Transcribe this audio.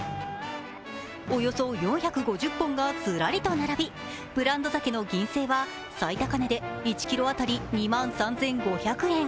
およそ４５０本がずらりと並びブランドざけの銀聖は最高値で１ｋｇ当たり２万３５００円。